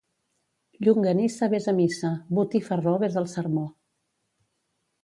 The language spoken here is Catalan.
Llonganissa ves a missa, botifarró ves al sermó.